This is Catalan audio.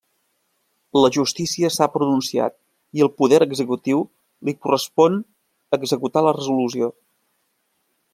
La Justícia s'ha pronunciat i al Poder Executiu li correspon executar la resolució.